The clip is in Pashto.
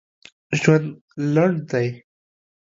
ژوند لنډ دی.